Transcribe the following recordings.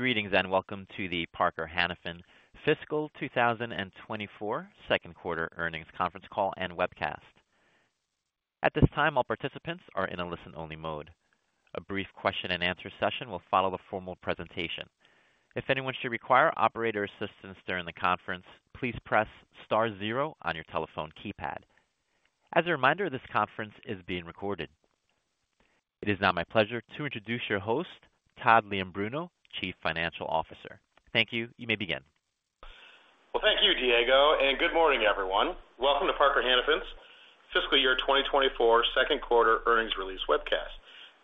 Greetings, and welcome to the Parker Hannifin Fiscal 2024 Second Quarter Earnings Conference Call and Webcast. At this time, all participants are in a listen-only mode. A brief question-and-answer session will follow the formal presentation. If anyone should require operator assistance during the conference, please press star zero on your telephone keypad. As a reminder, this conference is being recorded. It is now my pleasure to introduce your host, Todd Leombruno, Chief Financial Officer. Thank you. You may begin. Well, thank you, Diego, and good morning, everyone. Welcome to Parker Hannifin's Fiscal Year 2024 second quarter earnings release webcast.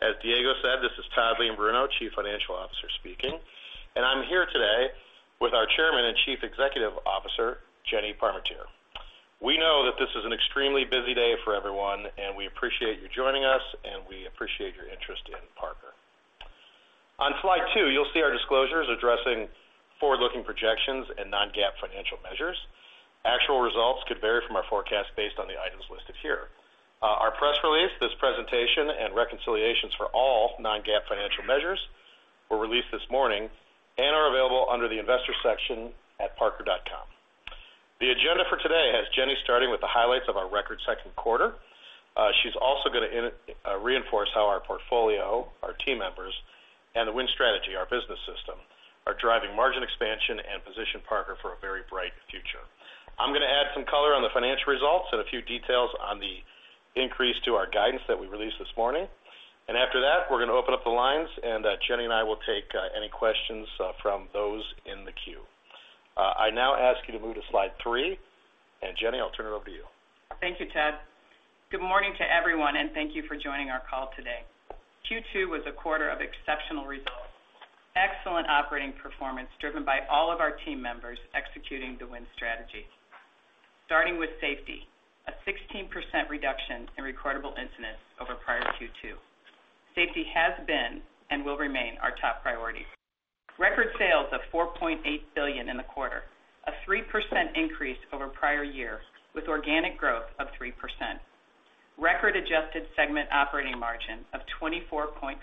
As Diego said, this is Todd Leombruno, Chief Financial Officer, speaking, and I'm here today with our Chairman and Chief Executive Officer, Jenny Parmentier. We know that this is an extremely busy day for everyone, and we appreciate you joining us, and we appreciate your interest in Parker. On slide 2, you'll see our disclosures addressing forward-looking projections and non-GAAP financial measures. Actual results could vary from our forecast based on the items listed here. Our press release, this presentation, and reconciliations for all non-GAAP financial measures were released this morning and are available under the Investors section at parker.com. The agenda for today has Jenny starting with the highlights of our record second quarter. She's also going to reinforce how our portfolio, our team members, and the Win Strategy, our business system, are driving margin expansion and position Parker for a very bright future. I'm going to add some color on the financial results and a few details on the increase to our guidance that we released this morning, and after that, we're going to open up the lines, and Jenny and I will take any questions from those in the queue. I now ask you to move to slide three, and Jenny, I'll turn it over to you. Thank you, Todd. Good morning to everyone, and thank you for joining our call today. Q2 was a quarter of exceptional results. Excellent operating performance, driven by all of our team members executing the Win Strategy. Starting with safety, a 16% reduction in recordable incidents over prior Q2. Safety has been and will remain our top priority. Record sales of $4.8 billion in the quarter, a 3% increase over prior year, with organic growth of 3%. Record adjusted segment operating margin of 24.5%,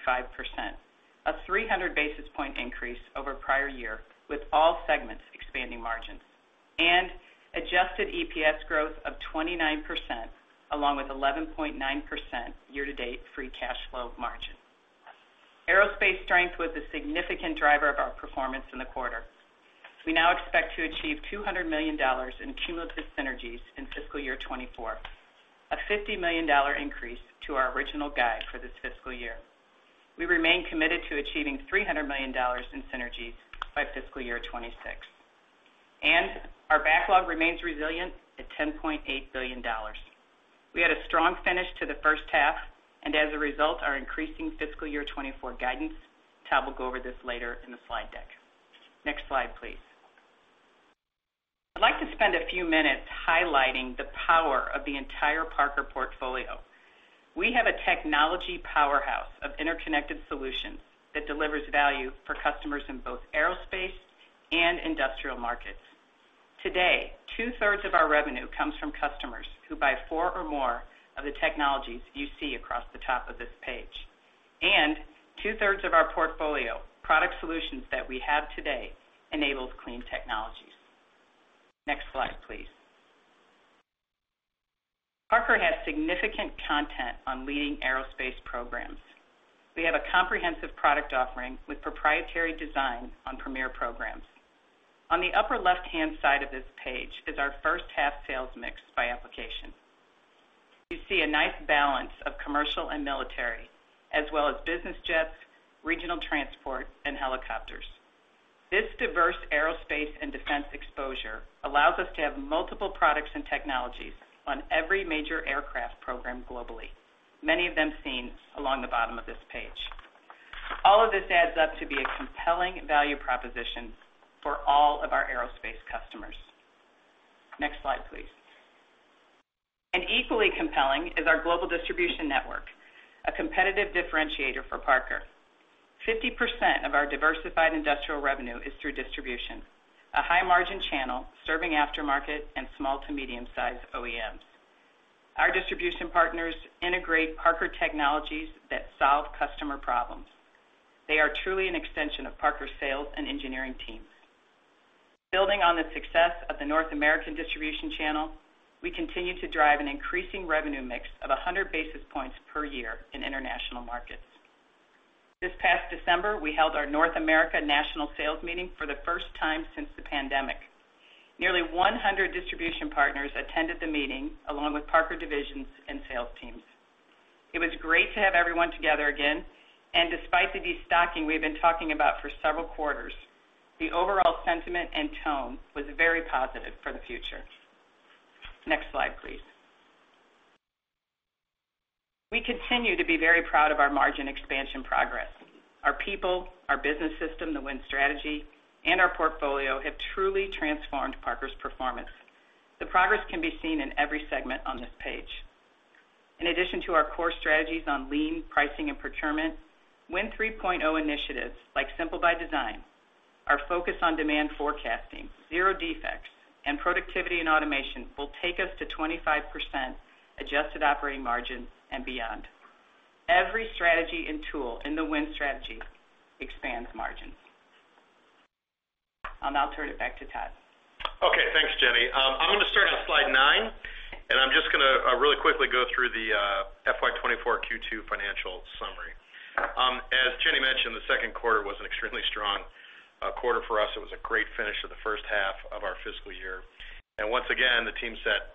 a 300 basis point increase over prior year, with all segments expanding margins. Adjusted EPS growth of 29%, along with 11.9% year-to-date free cash flow margin. Aerospace strength was a significant driver of our performance in the quarter. We now expect to achieve $200 million in cumulative synergies in fiscal year 2024, a $50 million increase to our original guide for this fiscal year. We remain committed to achieving $300 million in synergies by fiscal year 2026, and our backlog remains resilient at $10.8 billion. We had a strong finish to the first half, and as a result, are increasing fiscal year 2024 guidance. Todd will go over this later in the slide deck. Next slide, please. I'd like to spend a few minutes highlighting the power of the entire Parker portfolio. We have a technology powerhouse of interconnected solutions that delivers value for customers in both Aerospace and industrial markets. Today, two-thirds of our revenue comes from customers who buy four or more of the technologies you see across the top of this page, and two-thirds of our portfolio, product solutions that we have today, enables clean technologies. Next slide, please. Parker has significant content on leading Aerospace programs. We have a comprehensive product offering with proprietary design on premier programs. On the upper left-hand side of this page is our first half sales mix by application. You see a nice balance of commercial and military, as well as business jets, regional transport, and helicopters. This diverse Aerospace and defense exposure allows us to have multiple products and technologies on every major aircraft program globally, many of them seen along the bottom of this page. All of this adds up to be a compelling value proposition for all of our Aerospace customers. Next slide, please. Equally compelling is our global distribution network, a competitive differentiator for Parker. 50% of our diversified industrial revenue is through distribution, a high-margin channel serving aftermarket and small to medium-sized OEMs. Our distribution partners integrate Parker technologies that solve customer problems. They are truly an extension of Parker's sales and engineering teams. Building on the success of the North American distribution channel, we continue to drive an increasing revenue mix of 100 basis points per year in international markets. This past December, we held our North America National Sales Meeting for the first time since the pandemic. Nearly 100 distribution partners attended the meeting, along with Parker divisions and sales teams. It was great to have everyone together again, and despite the destocking we've been talking about for several quarters, the overall sentiment and tone was very positive for the future. Next slide, please. We continue to be very proud of our margin expansion progress. Our people, our business system, the Win Strategy, and our portfolio have truly transformed Parker's performance. The progress can be seen in every segment on this page. In addition to our core strategies on lean, pricing, and procurement, Win 3.0 initiatives, like Simple by Design, our focus on demand forecasting, zero defects, and productivity and automation, will take us to 25% adjusted operating margin and beyond. Every strategy and tool in the Win Strategy expands margins. I'll now turn it back to Todd. Okay, thanks, Jenny. I'm gonna start on slide nine, and I'm just gonna really quickly go through the FY 2024 Q2 financial summary. As Jenny mentioned, the second quarter was an extremely strong quarter for us. It was a great finish to the first half of our fiscal year. And once again, the team set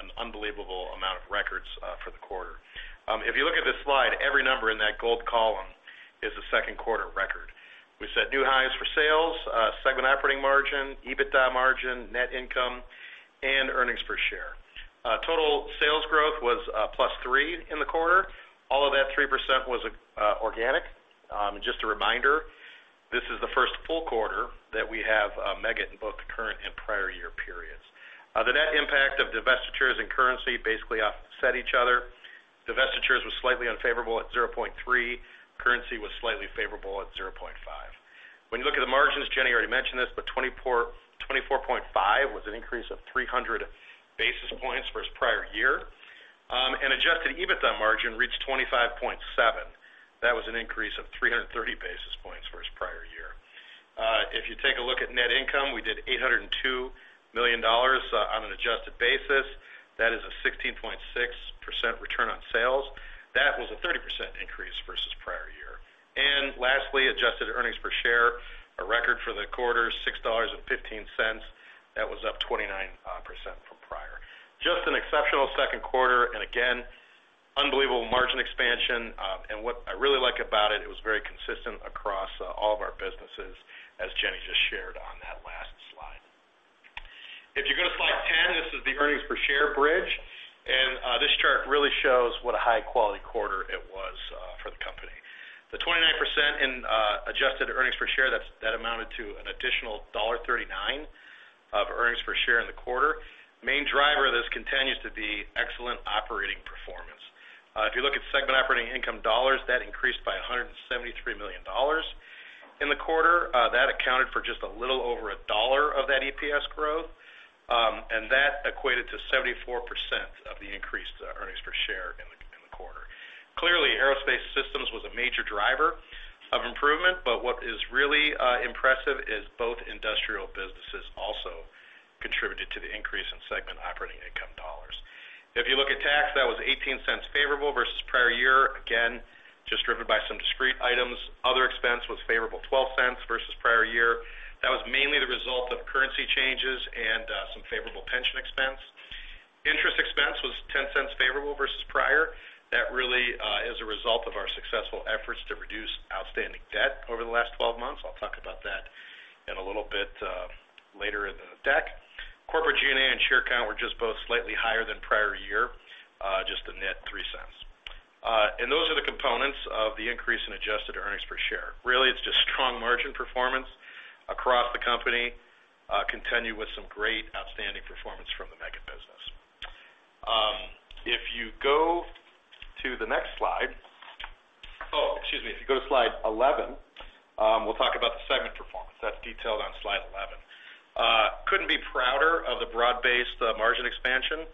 an unbelievable amount of records for the quarter. If you look at this slide, every number in that gold column is a second quarter record. We set new highs for sales, segment operating margin, EBITDA margin, net income, and earnings per share. Total sales growth was +3% in the quarter. All of that 3% was organic. And just a reminder, this is the first full quarter that we have Meggitt in both the current and prior year periods. The net impact of divestitures and currency basically offset each other. Divestitures was slightly unfavorable at 0.3. Currency was slightly favorable at 0.5. When you look at the margins, Jenny already mentioned this, but 24.5 was an increase of 300 basis points versus prior year. And adjusted EBITDA margin reached 25.7. That was an increase of 330 basis points versus prior year. If you take a look at net income, we did $802 million on an adjusted basis. That is a 16.6% return on sales. That was a 30% increase versus prior year. And lastly, adjusted earnings per share, a record for the quarter, $6.15. That was up 29% from prior. Just an exceptional second quarter, and again, unbelievable margin expansion. And what I really like about it, it was very consistent across all of our businesses, as Jenny just shared on that last slide. If you go to slide 10, this is the earnings per share bridge, and this chart really shows what a high-quality quarter it was for the company. The 29% in adjusted earnings per share, that amounted to an additional $1.39 of earnings per share in the quarter. Main driver of this continues to be excellent operating performance. If you look at segment operating income dollars, that increased by $173 million in the quarter. That accounted for just a little over $1 of that EPS growth, and that equated to 74% of the increased earnings per share in the quarter. Clearly, Aerospace Systems was a major driver of improvement, but what is really impressive is both industrial businesses also contributed to the increase in segment operating income dollars. If you look at tax, that was $0.18 favorable versus prior year. Again, just driven by some discrete items. Other expense was favorable $0.12 versus prior year. That was mainly the result of currency changes and some favorable pension expense. Interest expense was $0.10 favorable versus prior. That really is a result of our successful efforts to reduce outstanding debt over the last 12 months. I'll talk about that in a little bit later in the deck. Corporate G&A and share count were just both slightly higher than prior year, just a net $0.03. Those are the components of the increase in adjusted earnings per share. Really, it's just strong margin performance across the company, continued with some great outstanding performance from the Meggitt business. If you go to the next slide... Oh, excuse me. If you go to slide 11, we'll talk about the segment performance. That's detailed on slide 11. Couldn't be prouder of the broad-based margin expansion,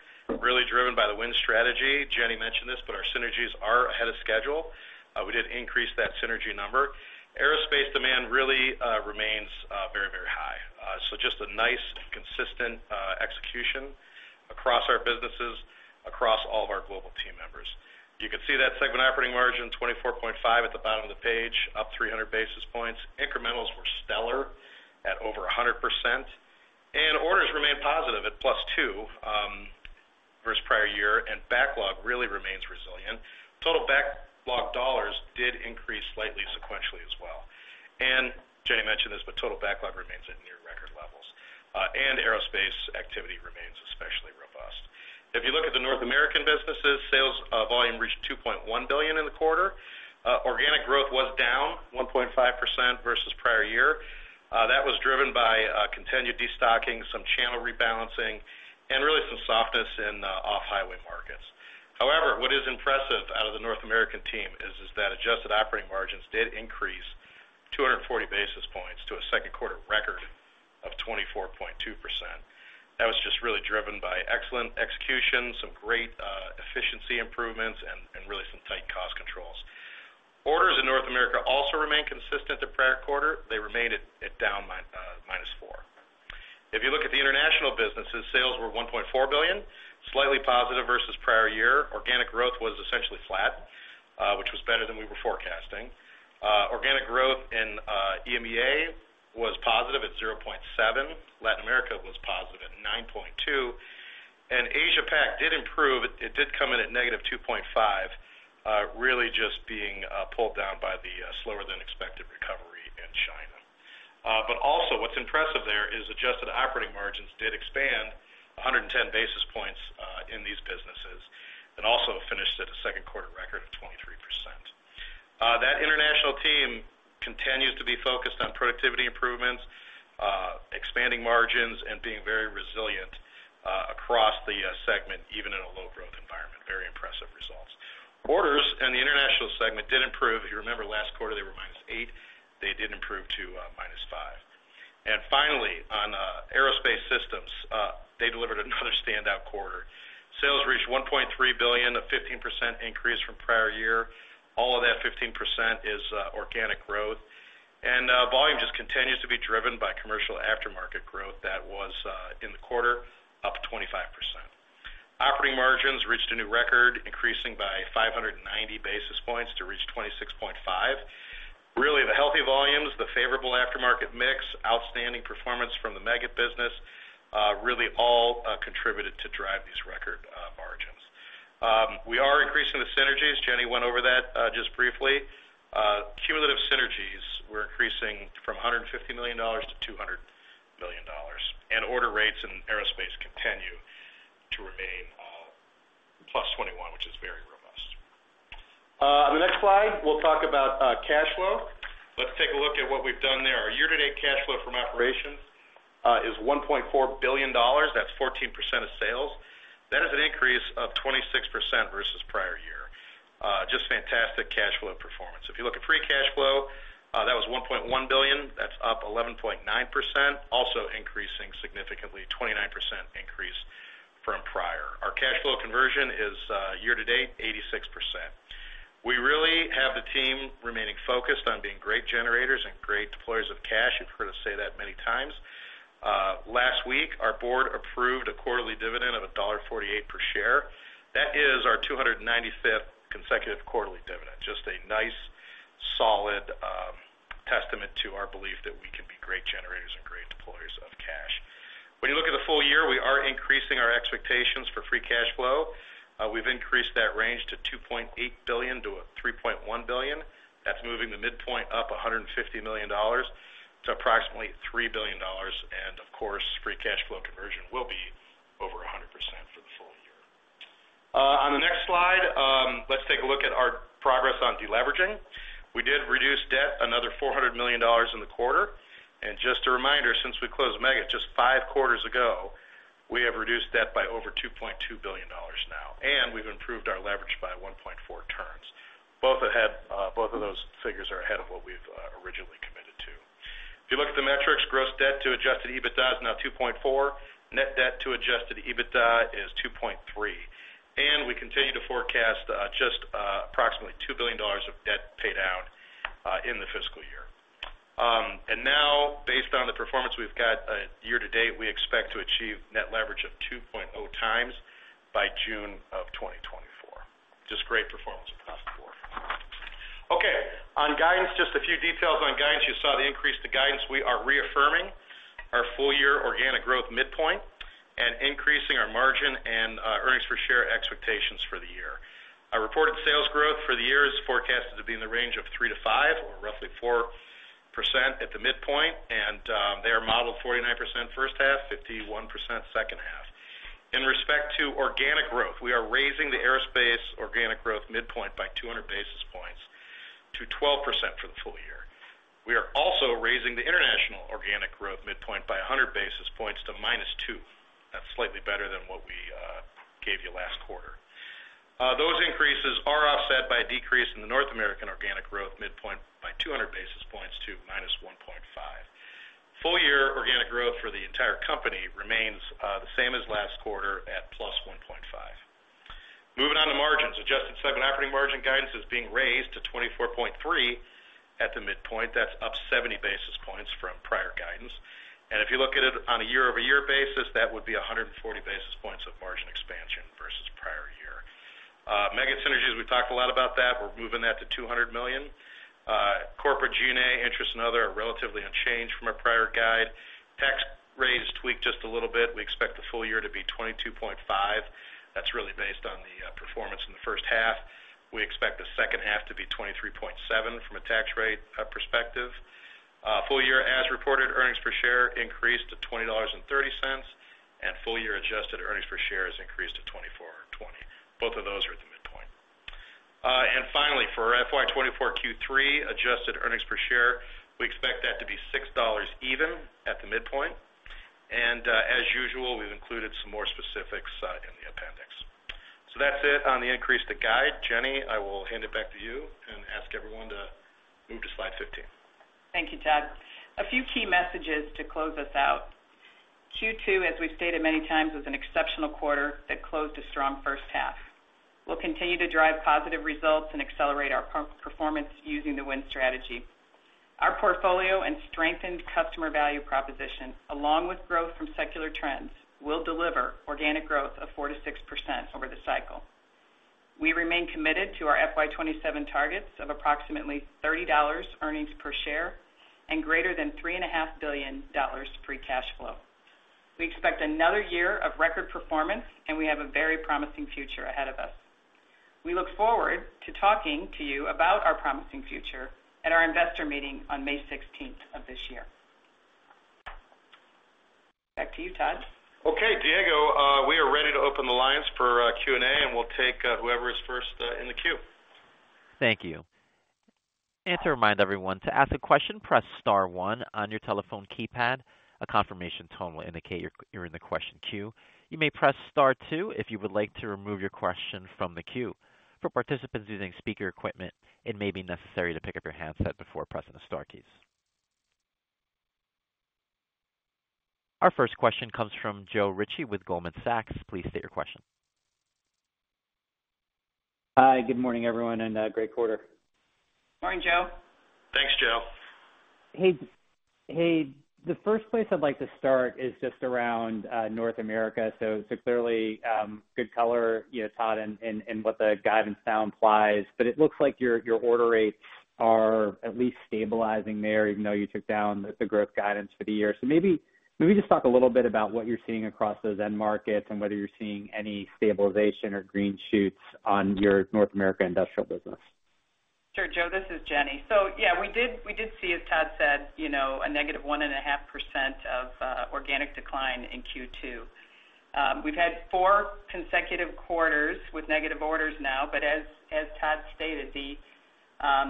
really driven by the Win Strategy. Jenny mentioned this, but our synergies are ahead of schedule. We did increase that synergy number. Aerospace demand really remains very, very high. So just a nice, consistent execution across our businesses, across all of our global team members. You can see that segment operating margin, 24.5 at the bottom of the page, up 300 basis points. Incrementals were stellar at over 100%, and orders remained positive at +2 versus prior year, and backlog really remains resilient. Total backlog dollars did increase slightly sequentially as well. And Jenny mentioned this, but total backlog remains at near record levels, and Aerospace activity remains especially robust. If you look at the North American businesses, sales volume reached $2.1 billion in the quarter. Organic growth was down 1.5% versus prior year. That was driven by continued destocking, some channel rebalancing, and really some softness in the off-highway markets. However, what is impressive out of the North American team is that adjusted operating margins did increase 240 basis points to a second quarter record of 24.2%. That was just really driven by excellent execution, some great efficiency improvements, and really some tight cost controls. Orders in North America also remained consistent to prior quarter. They remained at down minus 4%. If you look at the international businesses, sales were $1.4 billion, slightly positive versus prior year. Organic growth was essentially flat, which was better than we were forecasting. Organic growth in EMEA was positive at 0.7%. Latin America was positive at 9.2%, and Asia Pac did improve. It did come in at -2.5, really just being pulled down by the slower than expected recovery in China. But also what's impressive there is adjusted operating margins did expand 110 basis points in these businesses, and also finished at a second quarter record of 23%. That international team continues to be focused on productivity improvements, expanding margins, and being very resilient across the segment, even in a low-growth environment. Very impressive results. Orders in the international segment did improve, they did improve to -5. And finally, on Aerospace Systems, they delivered another standout quarter. Sales reached $1.3 billion, a 15% increase from prior year. All of that 15% is organic growth, and volume just continues to be driven by commercial aftermarket growth that was in the quarter, up 25%. Operating margins reached a new record, increasing by 590 basis points to reach 26.5. Really, the healthy volumes, the favorable aftermarket mix, outstanding performance from the Meggitt business, really all contributed to drive these record margins. We are increasing the synergies. Jenny went over that just briefly. Cumulative synergies were increasing from $150 million-$200 million, and order rates in Aerospace continue to remain +21, which is very robust. On the next slide, we'll talk about cash flow. Let's take a look at what we've done there. Our year-to-date cash flow from operations is $1.4 billion. That's 14% of sales. That is an increase of 26% versus prior year. Just fantastic cash flow performance. If you look at free cash flow, that was $1.1 billion. That's up 11.9%, also increasing significantly, 29% increase from prior. Our cash flow conversion is, year to date, 86%. We really have the team remaining focused on being great generators and great deployers of cash. You've heard us say that many times. Last week, our board approved a quarterly dividend of $1.48 per share. That is our 295th consecutive quarterly dividend. Just a nice, solid, testament to our belief that we can be great generators and great deployers of cash. When you look at the full year, we are increasing our expectations for free cash flow. We've increased that range to $2.8 billion-$3.1 billion. That's moving the midpoint up $150 million to approximately $3 billion, and of course, free cash flow conversion will be over 100% for the full year. On the next slide, let's take a look at our progress on deleveraging. We did reduce debt another $400 million in the quarter, and just a reminder, since we closed Meggitt just five quarters ago, we have reduced debt by over $2.2 billion now, and we've improved our leverage by 1.4 turns. Both of those figures are ahead of what we've originally committed to. If you look at the metrics, gross debt to Adjusted EBITDA is now 2.4. Net Debt to Adjusted EBITDA is 2.3, and we continue to forecast just approximately $2 billion of debt paid out in the fiscal year. And now, based on the performance we've got year to date, we expect to achieve net leverage of 2.0 times by June of 2024. Just great performance across the board. Okay, on guidance, just a few details on guidance. You saw the increase to guidance. We are reaffirming our full-year organic growth midpoint and increasing our margin and earnings per share expectations for the year. Our reported sales growth for the year is forecasted to be in the range of 3%-5%, or roughly 4% at the midpoint, and they are modeled 49% first half, 51% second half. In respect to organic growth, we are raising the Aerospace organic growth midpoint by 200 basis points to 12% for the full year. We are also raising the international organic growth midpoint by 100 basis points to -2%. That's slightly better than what we gave you last quarter. Those increases are offset by a decrease in the North American organic growth midpoint by 200 basis points to -1.5%. Full-year organic growth for the entire company remains the same as last quarter at +1.5%. Moving on to margins. Adjusted Segment Operating Margin guidance is being raised to 24.3% at the midpoint. That's up 70 basis points from prior guidance. And if you look at it on a year-over-year basis, that would be 140 basis points of margin expansion versus prior year. Meggitt synergies, we've talked a lot about that. We're moving that to $200 million. Corporate G&A, interest, and other are relatively unchanged from our prior guide. Tax rate is tweaked just a little bit. We expect the full year to be 22.5%. That's really based on the performance in the first half. We expect the second half to be 23.7% from a tax rate perspective. Full year, as reported, earnings per share increased to $20.30, and full-year adjusted earnings per share has increased to $24.20. Both of those are at the midpoint. And finally, for our FY 2024 Q3 adjusted earnings per share, we expect that to be $6 at the midpoint. And, as usual, we've included some more specifics in the appendix. So that's it on the increase to guide. Jenny, I will hand it back to you and ask everyone to move to slide 15. Thank you, Todd. A few key messages to close us out. Q2, as we've stated many times, was an exceptional quarter that closed a strong first half. We'll continue to drive positive results and accelerate our performance using the Win Strategy. Our portfolio and strengthened customer value proposition, along with growth from secular trends, will deliver organic growth of 4%-6% over the cycle. We remain committed to our FY 2027 targets of approximately $30 earnings per share and greater than $3.5 billion free cash flow. We expect another year of record performance, and we have a very promising future ahead of us. We look forward to talking to you about our promising future at our investor meeting on May 16th of this year. Back to you, Todd. Okay, Diego, we are ready to open the lines for Q&A, and we'll take whoever is first in the queue. Thank you. And to remind everyone, to ask a question, press star one on your telephone keypad. A confirmation tone will indicate you're in the question queue. You may press Star two if you would like to remove your question from the queue. For participants using speaker equipment, it may be necessary to pick up your handset before pressing the star keys.... Our first question comes from Joe Ritchie with Goldman Sachs. Please state your question. Hi, good morning, everyone, and great quarter. Morning, Joe. Thanks, Joe. Hey, hey, the first place I'd like to start is just around North America. So clearly, good color, you know, Todd, in what the guidance now implies, but it looks like your order rates are at least stabilizing there, even though you took down the growth guidance for the year. So maybe just talk a little bit about what you're seeing across those end markets and whether you're seeing any stabilization or green shoots on your North America industrial business. Sure, Joe, this is Jenny. So yeah, we did, we did see, as Todd said, you know, a -1.5% organic decline in Q2. We've had four consecutive quarters with negative orders now, but as, as Todd stated, the,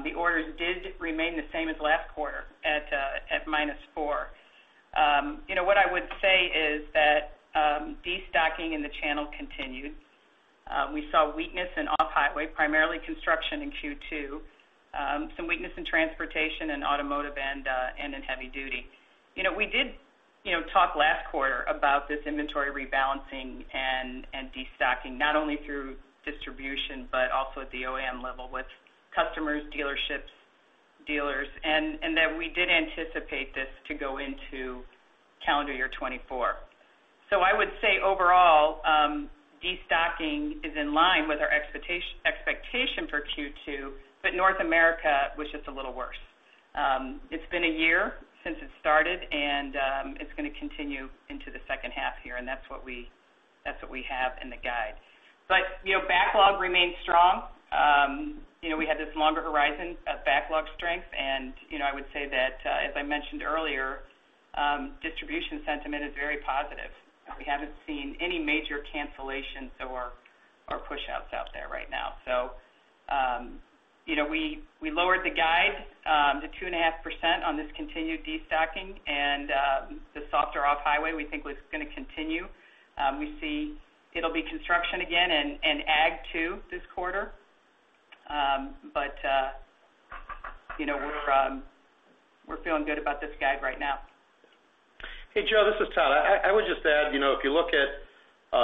the orders did remain the same as last quarter at, at -4%. You know, what I would say is that, destocking in the channel continued. We saw weakness in off-highway, primarily construction in Q2, some weakness in transportation and automotive and, and in heavy duty. You know, we did, you know, talk last quarter about this inventory rebalancing and, and destocking, not only through distribution, but also at the OEM level with customers, dealerships, dealers, and, and that we did anticipate this to go into calendar year 2024. So I would say overall, destocking is in line with our expectation for Q2, but North America was just a little worse. It's been a year since it started, and it's gonna continue into the second half here, and that's what we, that's what we have in the guide. But you know, backlog remains strong. You know, we had this longer horizon of backlog strength, and you know, I would say that, as I mentioned earlier, distribution sentiment is very positive, and we haven't seen any major cancellations or pushouts out there right now. So you know, we lowered the guide to 2.5% on this continued destocking, and the softer off-highway, we think was gonna continue. We see it'll be construction again and ag, too, this quarter. But, you know, we're feeling good about this guide right now. Hey, Joe, this is Todd. I would just add, you know, if you look at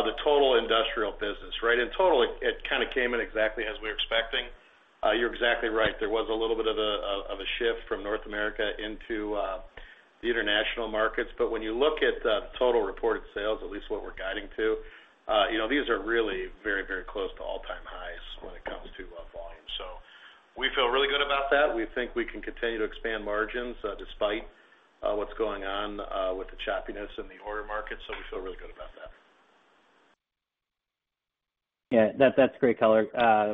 the total industrial business, right? In total, it kind of came in exactly as we were expecting. You're exactly right. There was a little bit of a shift from North America into the international markets. But when you look at total reported sales, at least what we're guiding to, you know, these are really very, very close to all-time highs when it comes to volume. So we feel really good about that. We think we can continue to expand margins, despite what's going on with the choppiness in the order market. So we feel really good about that. Yeah, that's great color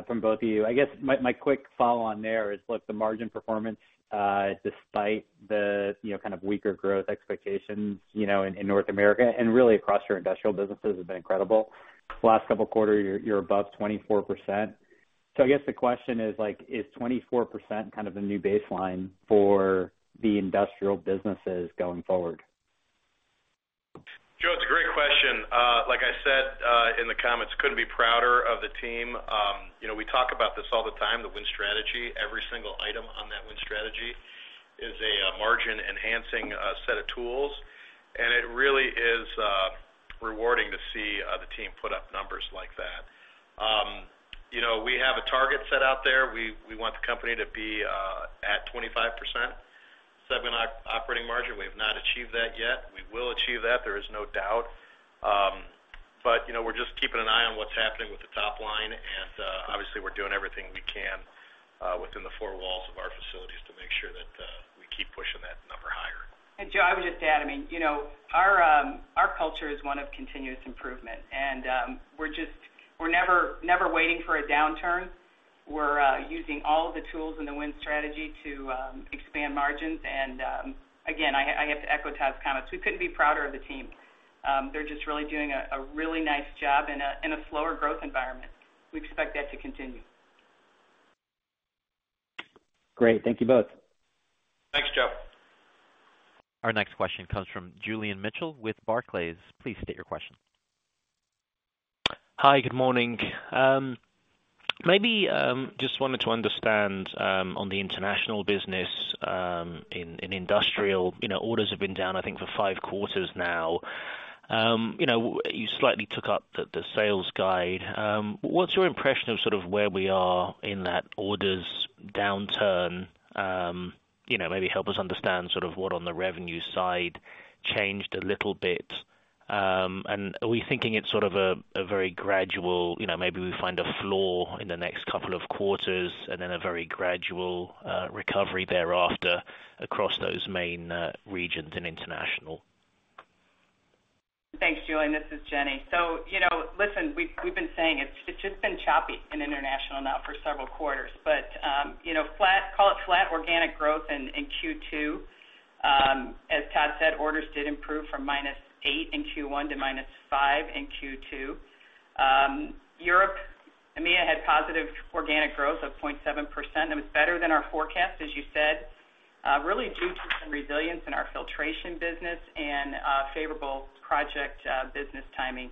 from both of you. I guess my quick follow on there is, look, the margin performance, despite the, you know, kind of weaker growth expectations, you know, in North America and really across your industrial businesses has been incredible. Last couple of quarters, you're above 24%. So I guess the question is, like, is 24% kind of the new baseline for the industrial businesses going forward? Joe, it's a great question. Like I said, in the comments, couldn't be prouder of the team. You know, we talk about this all the time, the Win Strategy. Every single item on that Win Strategy is a, margin-enhancing, set of tools, and it really is, rewarding to see, the team put up numbers like that. You know, we have a target set out there. We, we want the company to be, at 25% segment operating margin. We have not achieved that yet. We will achieve that, there is no doubt. But, you know, we're just keeping an eye on what's happening with the top line, and, obviously, we're doing everything we can, within the four walls of our facilities to make sure that, we keep pushing that number higher. And Joe, I would just add, I mean, you know, our culture is one of continuous improvement, and we're never, never waiting for a downturn. We're using all the tools in the Win Strategy to expand margins. And again, I have to echo Todd's comments. We couldn't be prouder of the team. They're just really doing a really nice job in a slower growth environment. We expect that to continue. Great. Thank you both. Thanks, Joe. Our next question comes from Julian Mitchell with Barclays. Please state your question. Hi, good morning. Maybe just wanted to understand on the international business, in industrial, you know, orders have been down, I think, for five quarters now. You know, you slightly took up the sales guide. What's your impression of sort of where we are in that orders downturn? You know, maybe help us understand sort of what on the revenue side changed a little bit. And are we thinking it's sort of a very gradual, you know, maybe we find a floor in the next couple of quarters and then a very gradual recovery thereafter across those main regions in international? Thanks, Julian. This is Jenny. So, you know, listen, we've been saying it's just been choppy in international now for several quarters. But, you know, flat, call it flat organic growth in Q2. As Todd said, orders did improve from -8 in Q1 to -5 in Q2. Europe, EMEA, had positive organic growth of 0.7%. That was better than our forecast, as you said, really due to some resilience in our filtration business and favorable project business timing.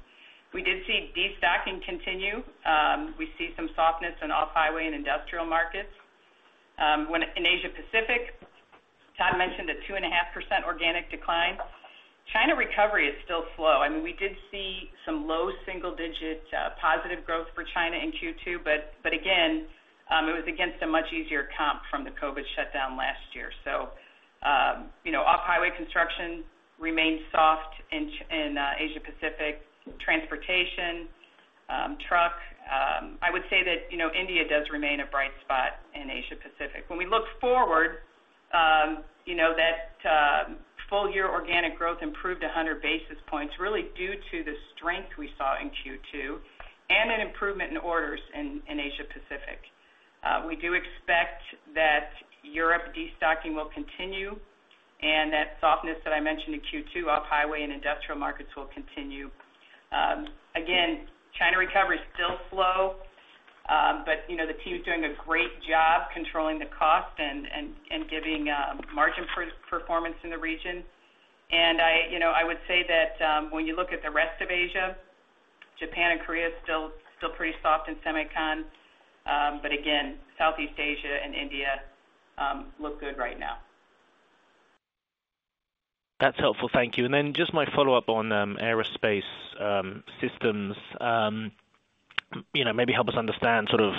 We did see destocking continue. We see some softness in off-highway and industrial markets. When in Asia Pacific, Todd mentioned a 2.5% organic decline. China recovery is still slow. I mean, we did see some low single-digit positive growth for China in Q2, but again, it was against a much easier comp from the COVID shutdown last year. So, you know, off-highway construction remained soft in Asia Pacific. Transportation, truck, I would say that, you know, India does remain a bright spot in Asia Pacific. When we look forward, you know, that full year organic growth improved 100 basis points, really due to the strength we saw in Q2 and an improvement in orders in Asia Pacific. We do expect that Europe destocking will continue, and that softness that I mentioned in Q2, off-highway and industrial markets will continue. Again, China recovery is still slow, but, you know, the team's doing a great job controlling the cost and giving margin per-performance in the region. And I, you know, I would say that, when you look at the rest of Asia, Japan and Korea is still pretty soft in semicon, but again, Southeast Asia and India look good right now. That's helpful. Thank you. And then just my follow-up on Aerospace systems. You know, maybe help us understand sort of,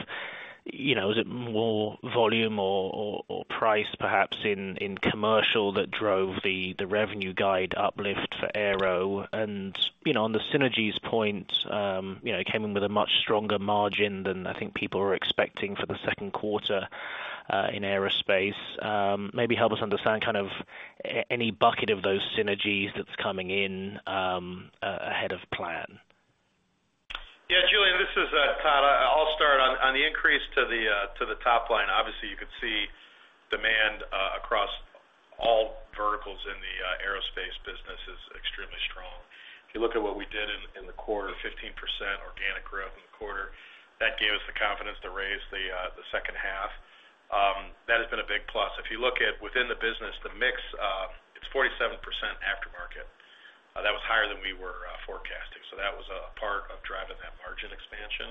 you know, is it more volume or price perhaps in commercial that drove the revenue guide uplift for aero? And, you know, on the synergies point, you know, it came in with a much stronger margin than I think people were expecting for the second quarter in Aerospace. Maybe help us understand kind of any bucket of those synergies that's coming in ahead of plan. Yeah, Julian, this is Todd. I'll start. On the increase to the top line, obviously, you could see demand across all verticals in the Aerospace business is extremely strong. If you look at what we did in the quarter, 15% organic growth in the quarter, that gave us the confidence to raise the second half. That has been a big plus. If you look at within the business, the mix, it's 47% aftermarket. That was higher than we were forecasting, so that was a part of driving that margin expansion.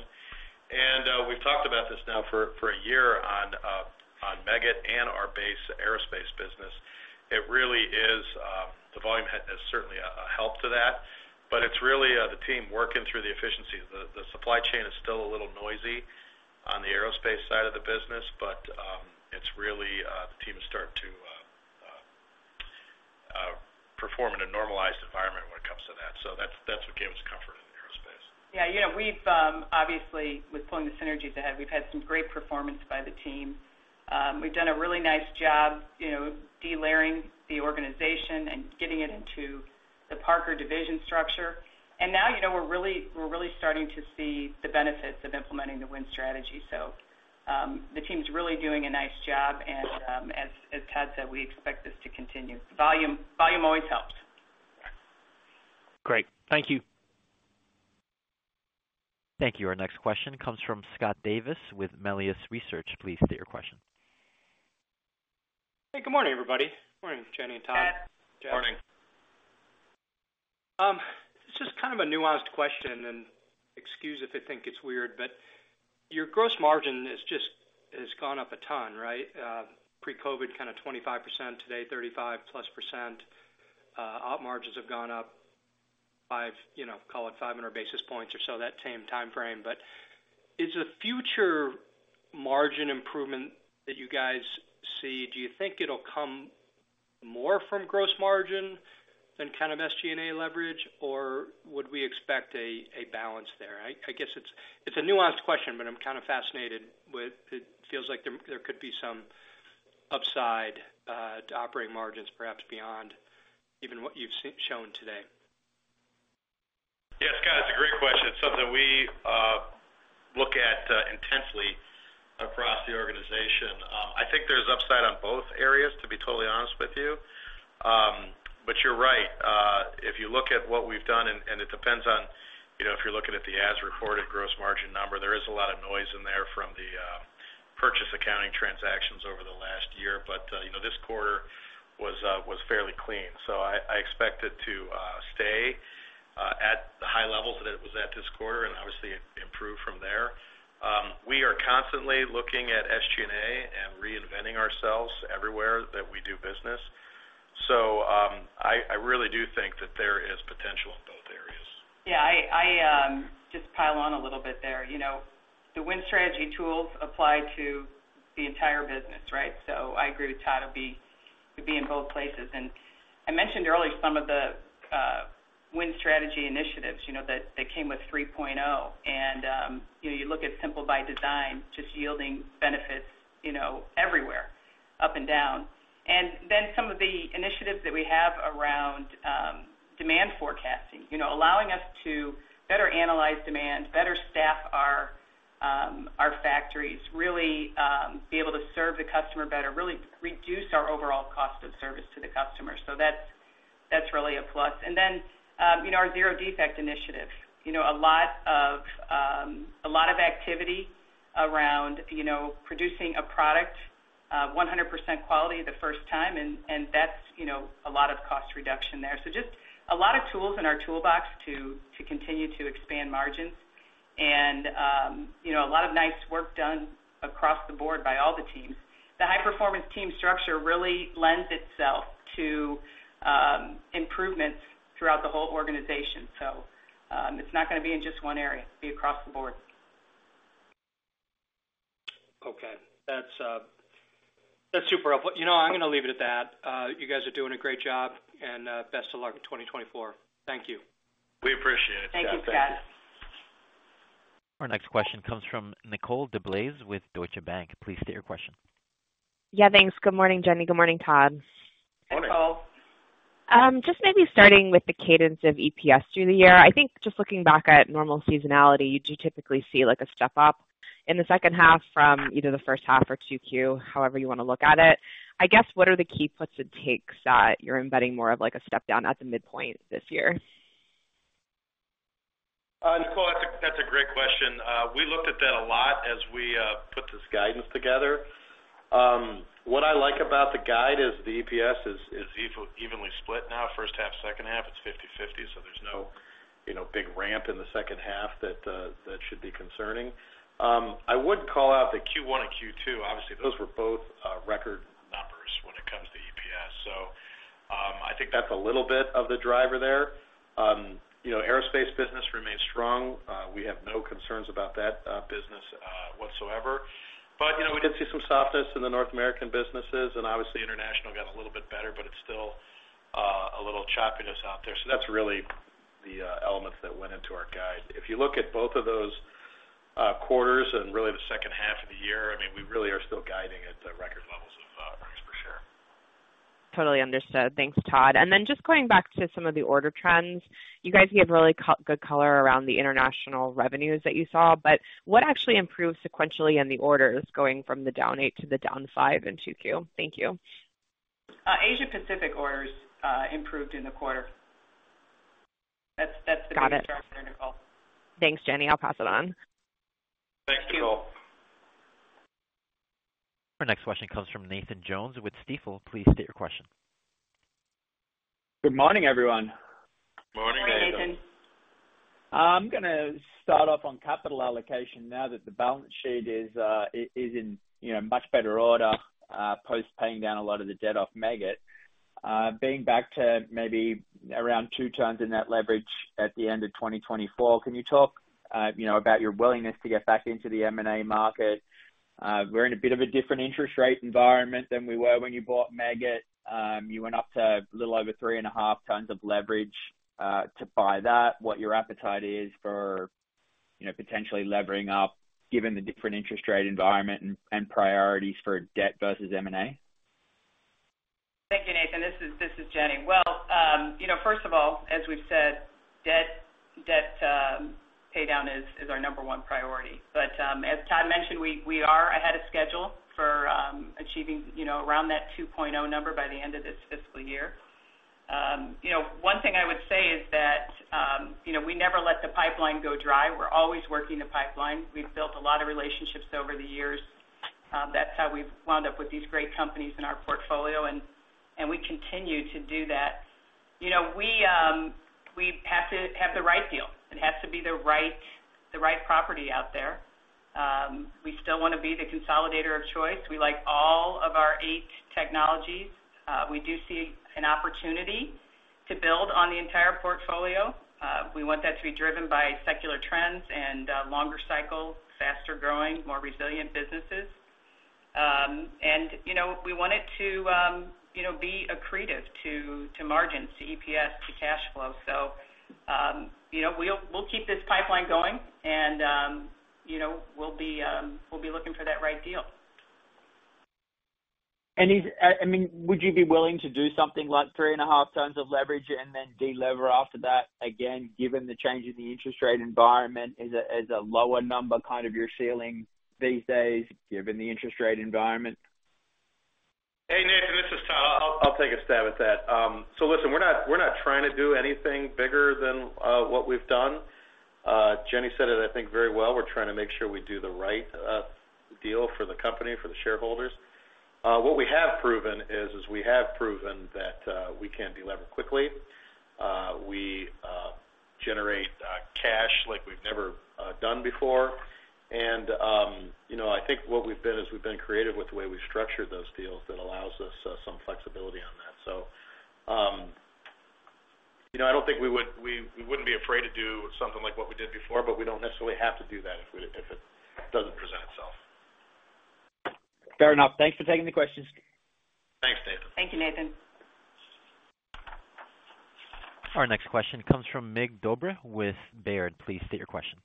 And we've talked about this now for a year on Meggitt and our base Aerospace business. It really is, the volume has certainly a help to that, but it's really the team working through the efficiencies. The supply chain is still a little noisy on the Aerospace side of the business, but it's really the team is starting to perform in a normalized environment when it comes to that. So that's what gave us comfort in Aerospace. Yeah, you know, we've, obviously, with pulling the synergies ahead, we've had some great performance by the team. We've done a really nice job, you know, de-layering the organization and getting it into the Parker division structure. And now, you know, we're really, we're really starting to see the benefits of implementing the Win Strategy. So, the team's really doing a nice job, and, as, as Todd said, we expect this to continue. Volume, volume always helps. Great. Thank you. Thank you. Our next question comes from Scott Davis with Melius Research. Please state your question. Hey, good morning, everybody. Morning, Jenny and Todd. Hi. Good morning. This is kind of a nuanced question, and excuse if I think it's weird, but your gross margin has just gone up a ton, right? Pre-COVID, kind of 25%, today, 35%+. Op margins have gone up 5, you know, call it 500 basis points or so, that same timeframe. But is the future margin improvement that you guys see, do you think it'll come more from gross margin than kind of SG&A leverage, or would we expect a balance there? I guess it's a nuanced question, but I'm kind of fascinated with... It feels like there could be some upside to operating margins, perhaps beyond even what you've shown today. Yeah, Scott, it's a great question. It's something we look at intensely across the organization. I think there's upside on both areas, to be totally honest with you. But you're right. If you look at what we've done, and it depends on, you know, if you're looking at the as-reported gross margin number, there is a lot of noise in there from the purchase accounting transactions over the last year. But you know, this quarter was fairly clean, so I expect it to stay at the high levels that it was at this quarter and obviously improve from there. We are constantly looking at SG&A and reinventing ourselves everywhere that we do business. So, I really do think that there is potential in both areas. Yeah, just pile on a little bit there. You know, the Win Strategy tools apply to the entire business, right? So I agree with Todd, it'd be in both places. And I mentioned earlier some of the Win Strategy initiatives, you know, that came with 3.0. And, you know, you look at Simple by Design, just yielding benefits, you know, everywhere, up and down. And then some of the initiatives that we have around demand forecasting, you know, allowing us to better analyze demand, better staff our factories, really be able to serve the customer better, really reduce our overall cost of service to the customer. So that's really a plus. And then, you know, our zero defect initiatives. You know, a lot of activity around, you know, producing a product, one hundred percent quality the first time, and that's, you know, a lot of cost reduction there. So just a lot of tools in our toolbox to continue to expand margins... and, you know, a lot of nice work done across the board by all the teams. The high-performance team structure really lends itself to improvements throughout the whole organization. So, it's not gonna be in just one area, it'll be across the board. Okay. That's super helpful. You know, I'm gonna leave it at that. You guys are doing a great job, and best of luck in 2024. Thank you. We appreciate it. Thank you, Scott. Our next question comes from Nicole DeBlase with Deutsche Bank. Please state your question. Yeah, thanks. Good morning, Jenny. Good morning, Todd. Good morning, Nicole. Just maybe starting with the cadence of EPS through the year. I think just looking back at normal seasonality, you do typically see, like, a step up in the second half from either the first half or 2Q, however you wanna look at it. I guess, what are the key puts and takes that you're embedding more of, like, a step down at the midpoint this year? Nicole, that's a great question. We looked at that a lot as we put this guide together. What I like about the guide is the EPS is evenly split now. First half, second half, it's 50/50, so there's no, you know, big ramp in the second half that should be concerning. I would call out that Q1 and Q2, obviously, those were both record numbers when it comes to EPS. So, I think that's a little bit of the driver there. You know, Aerospace business remains strong. We have no concerns about that business whatsoever. But, you know, we did see some softness in the North American businesses, and obviously, international got a little bit better, but it's still a little choppiness out there. So that's really the elements that went into our guide. If you look at both of those quarters and really the second half of the year, I mean, we really are still guiding at record levels of earnings per share. Totally understood. Thanks, Todd. And then just going back to some of the order trends. You guys gave really good color around the international revenues that you saw, but what actually improved sequentially in the orders going from the down 8 to the down 5 in 2Q? Thank you. Asia Pacific orders improved in the quarter. That's, that's the- Got it. Nicole. Thanks, Jenny. I'll pass it on. Thanks, Nicole. Thank you. Our next question comes from Nathan Jones with Stifel. Please state your question. Good morning, everyone. Morning, Nathan. Morning, Nathan. I'm gonna start off on capital allocation now that the balance sheet is, you know, in much better order post paying down a lot of the debt off Meggitt. Being back to maybe around 2x net leverage at the end of 2024, can you talk, you know, about your willingness to get back into the M&A market? We're in a bit of a different interest rate environment than we were when you bought Meggitt. You went up to a little over 3.5x leverage to buy that. What your appetite is for, you know, potentially levering up given the different interest rate environment and priorities for debt versus M&A? Thank you, Nathan. This is Jenny. Well, you know, first of all, as we've said, debt pay down is our number 1 priority. But, as Todd mentioned, we are ahead of schedule for achieving, you know, around that 2.0 number by the end of this fiscal year. You know, one thing I would say is that, you know, we never let the pipeline go dry. We're always working the pipeline. We've built a lot of relationships over the years. That's how we've wound up with these great companies in our portfolio, and we continue to do that. You know, we have to have the right deal. It has to be the right property out there. We still wanna be the consolidator of choice. We like all of our 8 technologies. We do see an opportunity to build on the entire portfolio. We want that to be driven by secular trends and longer cycle, faster growing, more resilient businesses. And, you know, we want it to, you know, be accretive to, to margins, to EPS, to cash flow. So, you know, we'll, we'll keep this pipeline going and, you know, we'll be, we'll be looking for that right deal. Is, I mean, would you be willing to do something like 3.5 times of leverage and then delever after that? Again, given the change in the interest rate environment, is a lower number kind of your ceiling these days, given the interest rate environment? Hey, Nathan, this is Todd. I'll take a stab at that. So listen, we're not, we're not trying to do anything bigger than what we've done. Jenny said it, I think very well. We're trying to make sure we do the right deal for the company, for the shareholders. What we have proven is we have proven that we can delever quickly. We generate cash like we've never done before. You know, I think what we've been is we've been creative with the way we've structured those deals that allows us some flexibility on that. So, you know, I don't think we would. We wouldn't be afraid to do something like what we did before, but we don't necessarily have to do that if it doesn't present itself. Fair enough. Thanks for taking the questions. Thanks, Nathan. Thank you, Nathan. Our next question comes from Mig Dobre with Baird. Please state your question.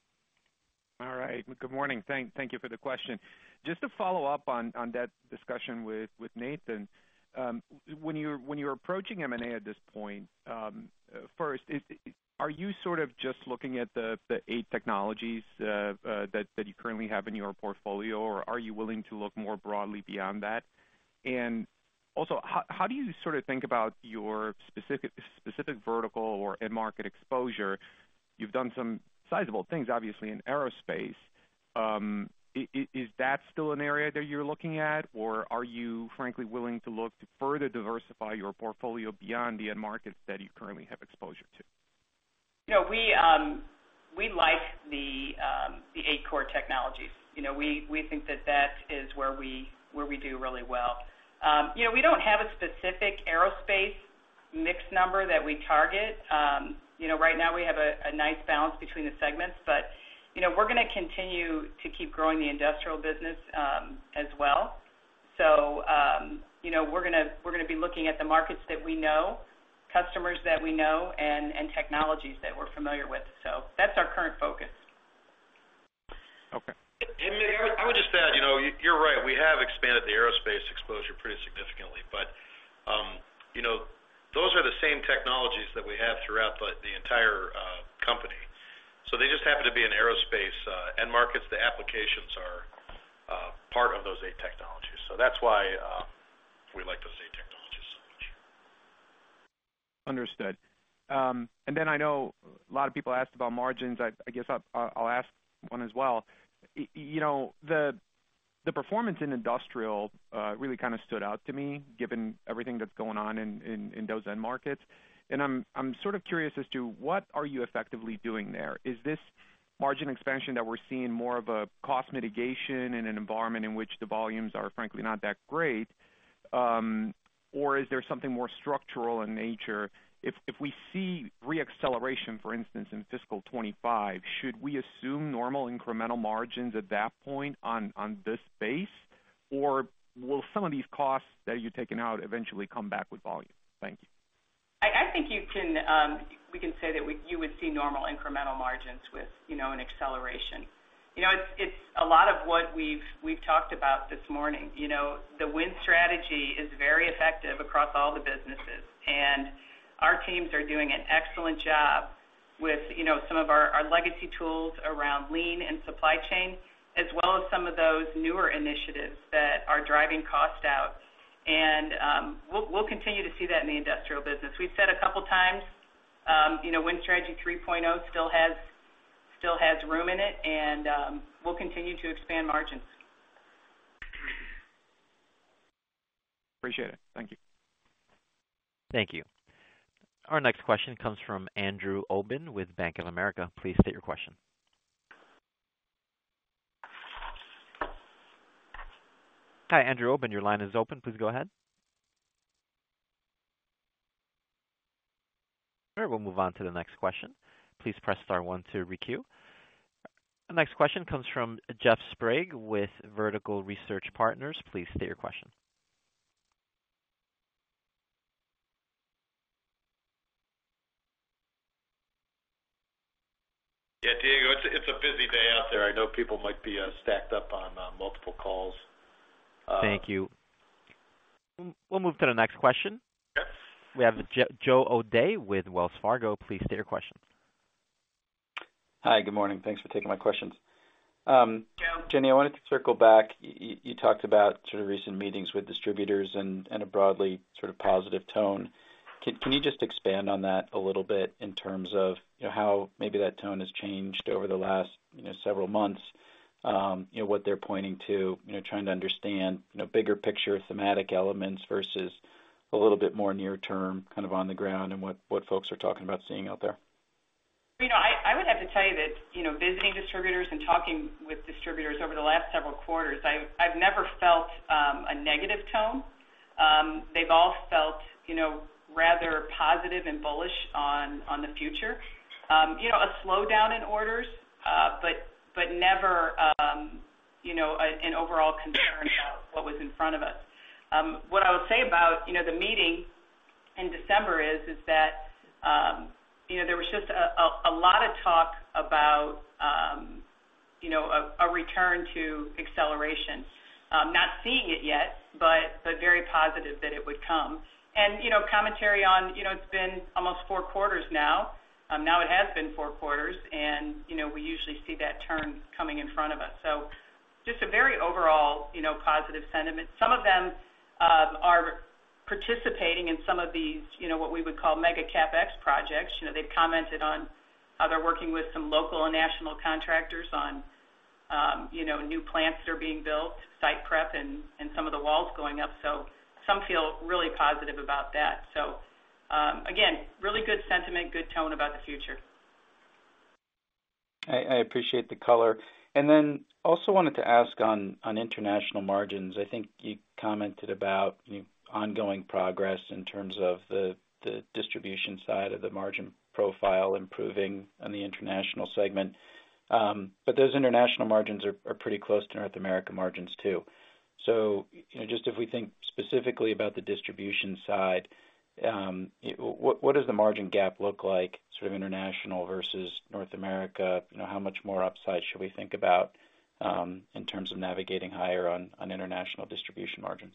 All right. Good morning. Thank you for the question. Just to follow up on that discussion with Nathan. When you're approaching M&A at this point, first, are you sort of just looking at the eight technologies that you currently have in your portfolio, or are you willing to look more broadly beyond that? And also, how do you sort of think about your specific vertical or end market exposure? You've done some sizable things, obviously, in Aerospace. Is that still an area that you're looking at, or are you frankly willing to look to further diversify your portfolio beyond the end markets that you currently have exposure to? You know, we, we like the, the eight core technologies. You know, we, we think that that is where we, where we do really well. You know, we don't have a specific Aerospace mix number that we target. You know, right now, we have a, a nice balance between the segments, but, you know, we're gonna continue to keep growing the industrial business, as well. So, you know, we're gonna, we're gonna be looking at the markets that we know, customers that we know, and, and technologies that we're familiar with. So that's our current focus. Okay. I would just add, you know, you're right, we have expanded the Aerospace exposure pretty significantly, but, you know, those are the same technologies that we have throughout the entire company. So that's why we like those eight technologies so much. Understood. And then I know a lot of people asked about margins. I guess I'll ask one as well. You know, the performance in Industrial really kind of stood out to me, given everything that's going on in those end markets. And I'm sort of curious as to what are you effectively doing there? Is this margin expansion that we're seeing more of a cost mitigation in an environment in which the volumes are, frankly, not that great? Or is there something more structural in nature? If we see reacceleration, for instance, in fiscal 2025, should we assume normal incremental margins at that point on this base? Or will some of these costs that you've taken out eventually come back with volume? Thank you. I think you can, we can say that you would see normal incremental margins with, you know, an acceleration. You know, it's a lot of what we've talked about this morning. You know, the Win Strategy is very effective across all the businesses, and our teams are doing an excellent job with you had some of our legacy tools around lean and supply chain, as well as some of those newer initiatives that are driving costs out. And we'll continue to see that in the industrial business. We've said a couple times, you know, Win Strategy 3.0 still has room in it, and we'll continue to expand margins. Appreciate it. Thank you. Thank you. Our next question comes from Andrew Obin with Bank of America. Please state your question. Hi, Andrew Obin, your line is open. Please go ahead. We'll move on to the next question. Please press star one to requeue. The next question comes from Jeff Sprague with Vertical Research Partners. Please state your question. Yeah, Diego, it's a, it's a busy day out there. I know people might be stacked up on multiple calls. Thank you. We'll move to the next question. Yes. We have Joe O'Dea with Wells Fargo. Please state your question. Hi, good morning. Thanks for taking my questions. Jenny, I wanted to circle back. You talked about sort of recent meetings with distributors and a broadly sort of positive tone. Can you just expand on that a little bit in terms of, you know, how maybe that tone has changed over the last, you know, several months? You know, what they're pointing to, you know, trying to understand, you know, bigger picture, thematic elements versus a little bit more near term, kind of on the ground, and what folks are talking about seeing out there. You know, I would have to tell you that, you know, visiting distributors and talking with distributors over the last several quarters, I've never felt a negative tone. They've all felt, you know, rather positive and bullish on the future. You know, a slowdown in orders, but never, you know, an overall concern about what was in front of us. What I would say about, you know, the meeting in December is that, you know, there was just a lot of talk about, you know, a return to acceleration. Not seeing it yet, but very positive that it would come. You know, commentary on, you know, it's been almost four quarters now, now it has been four quarters, and, you know, we usually see that turn coming in front of us. So just a very overall, you know, positive sentiment. Some of them are participating in some of these, you know, what we would call mega CapEx projects. You know, they've commented on how they're working with some local and national contractors on, you know, new plants that are being built, site prep, and some of the walls going up. So some feel really positive about that. So, again, really good sentiment, good tone about the future. I appreciate the color. And then also wanted to ask on international margins. I think you commented about ongoing progress in terms of the distribution side of the margin profile improving on the international segment. But those international margins are pretty close to North America margins, too. So, you know, just if we think specifically about the distribution side, what does the margin gap look like sort of international versus North America? You know, how much more upside should we think about, in terms of navigating higher on international distribution margins?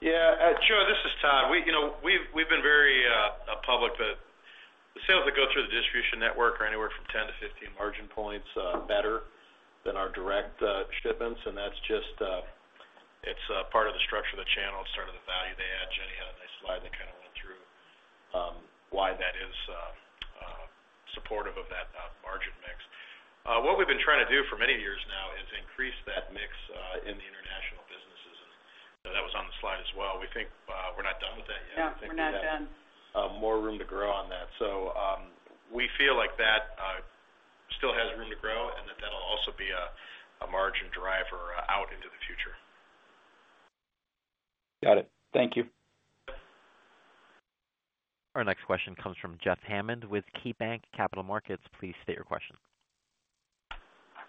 Yeah, Joe, this is Todd. We, you know, we've, we've been very public, but the sales that go through the distribution network are anywhere from 10-15 margin points better than our direct shipments. And that's just, it's part of the structure of the channel and sort of the value they add. Jenny had a nice slide that kind of why that is supportive of that margin mix. What we've been trying to do for many years now is increase that mix in the international businesses, and that was on the slide as well. We think we're not done with that yet. Yeah, we're not done. More room to grow on that. So, we feel like that still has room to grow, and that that'll also be a margin driver out into the future. Got it. Thank you. Our next question comes from Jeff Hammond with KeyBanc Capital Markets. Please state your question.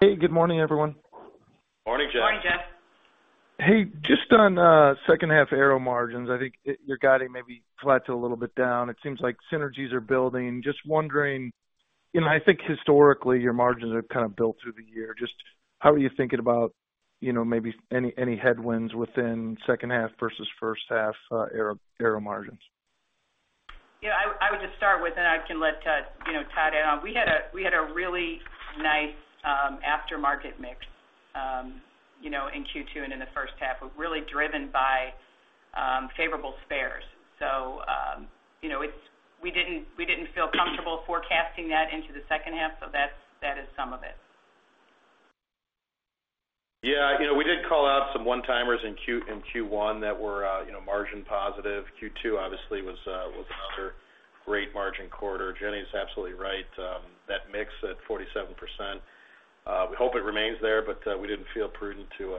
Hey, good morning, everyone. Morning, Jeff. Morning, Jeff. Hey, just on second half aero margins, I think you're guiding maybe flat to a little bit down. It seems like synergies are building. Just wondering, you know, I think historically, your margins have kind of built through the year. Just how are you thinking about, you know, maybe any headwinds within second half versus first half, aero margins? Yeah, I would, I would just start with, and I can let Todd in on. We had a, we had a really nice aftermarket mix, you know, in Q2 and in the first half, was really driven by favorable spares. So, you know, it's. We didn't, we didn't feel comfortable forecasting that into the second half, so that's, that is some of it. Yeah, you know, we did call out some one-timers in Q1 that were, you know, margin positive. Q2, obviously, was another great margin quarter. Jenny is absolutely right. That mix at 47%, we hope it remains there, but we didn't feel prudent to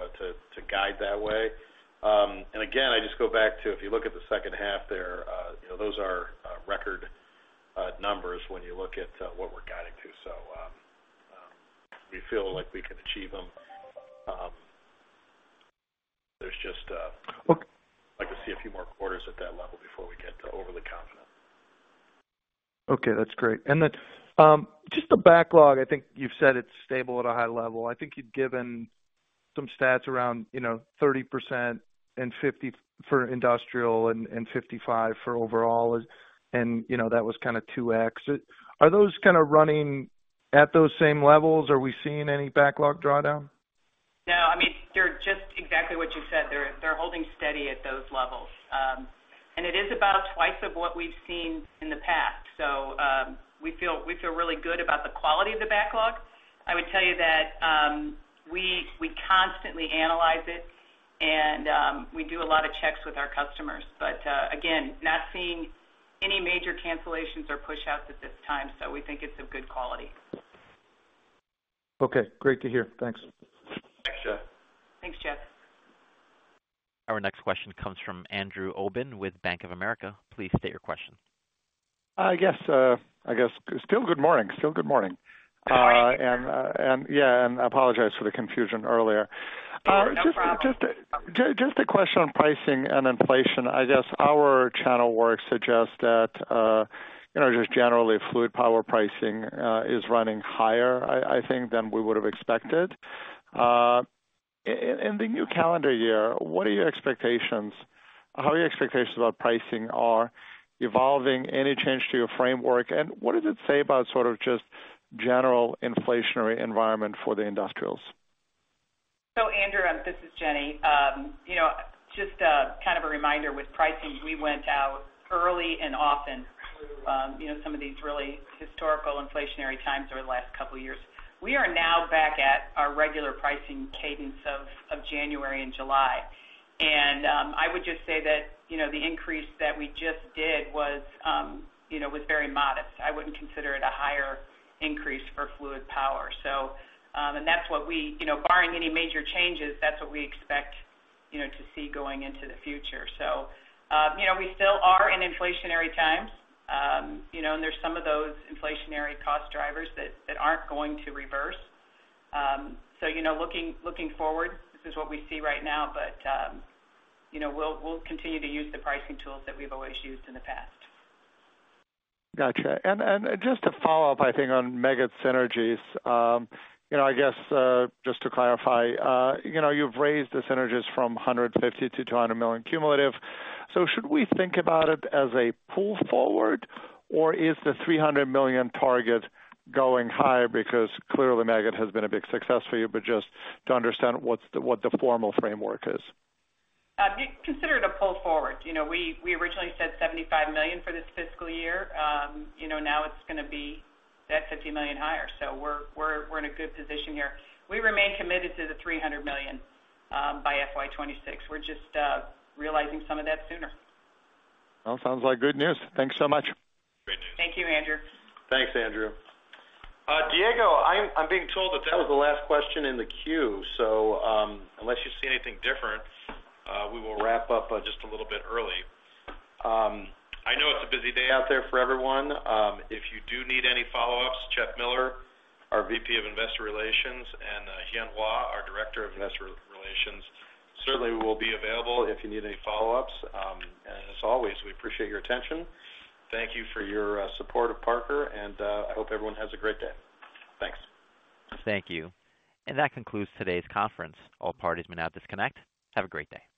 guide that way. And again, I just go back to, if you look at the second half there, you know, those are record numbers when you look at what we're guiding to. So, we feel like we can achieve them. There's just, Okay. Like to see a few more quarters at that level before we get overly confident. Okay, that's great. Then, just the backlog, I think you've said it's stable at a high level. I think you'd given some stats around, you know, 30% and 50% for industrial and 55% for overall, and, you know, that was kind of 2x. Are those kind of running at those same levels? Are we seeing any backlog drawdown? No, I mean, they're just exactly what you said. They're holding steady at those levels. And it is about twice of what we've seen in the past. So, we feel really good about the quality of the backlog. I would tell you that, we constantly analyze it, and we do a lot of checks with our customers, but again, not seeing any major cancellations or pushouts at this time, so we think it's of good quality. Okay, great to hear. Thanks. Thanks, Jeff. Thanks, Jeff. Our next question comes from Andrew Obin with Bank of America. Please state your question. Yes, I guess still good morning. Still good morning. Good morning. Yeah, and I apologize for the confusion earlier. Sure, no problem. Just a question on pricing and inflation. I guess our channel work suggests that, you know, just generally, fluid power pricing is running higher, I think, than we would have expected. In the new calendar year, what are your expectations? How are your expectations about pricing are evolving, any change to your framework, and what does it say about sort of just general inflationary environment for the industrials? So, Andrew, this is Jenny. You know, just kind of a reminder with pricing, we went out early and often, you know, some of these really historical inflationary times over the last couple of years. We are now back at our regular pricing cadence of January and July. And, I would just say that, you know, the increase that we just did was very modest. I wouldn't consider it a higher increase for fluid power. So, and that's what we, you know, barring any major changes, that's what we expect, you know, to see going into the future. So, you know, we still are in inflationary times, you know, and there's some of those inflationary cost drivers that aren't going to reverse. So, you know, looking forward, this is what we see right now, but, you know, we'll continue to use the pricing tools that we've always used in the past. Gotcha. And just to follow up, I think, on Meggitt synergies, you know, I guess, just to clarify, you know, you've raised the synergies from 150 to $200 million cumulative. So should we think about it as a pull forward, or is the $300 million target going higher? Because clearly, Meggitt has been a big success for you, but just to understand what the formal framework is? We consider it a pull forward. You know, we originally said $75 million for this fiscal year. You know, now it's gonna be that $50 million higher, so we're in a good position here. We remain committed to the $300 million by FY 2026. We're just realizing some of that sooner. Well, sounds like good news. Thank you so much. Great news. Thank you, Andrew. Thanks, Andrew. Diego, I'm being told that that was the last question in the queue, so unless you see anything different, we will wrap up just a little bit early. I know it's a busy day out there for everyone. If you do need any follow-ups, Jeff Miller, our VP of Investor Relations, and Hien Hua, our Director of Investor Relations, certainly will be available if you need any follow-ups. And as always, we appreciate your attention. Thank you for your support of Parker, and I hope everyone has a great day. Thanks. Thank you. That concludes today's conference. All parties may now disconnect. Have a great day.